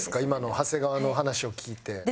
今の長谷川の話を聞いて。